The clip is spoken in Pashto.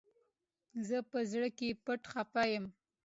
زه په زړه کي پټ خپه يم